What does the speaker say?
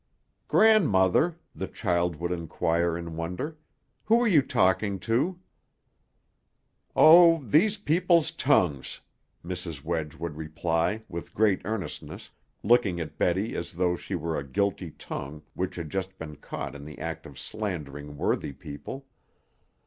"Grandmother," the child would inquire in wonder, "who are you talking to?" "Oh, these people's tongues," Mrs. Wedge would reply, with great earnestness, looking at Betty as though she were a guilty tongue which had just been caught in the act of slandering worthy people.